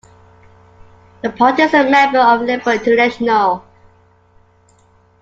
The party is a member of Liberal International.